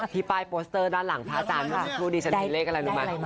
ที่ป้ายโปสเตอร์ด้านหลังท่าอาจารย์รู้ดีฉันเห็นเลขอะไรมั้ย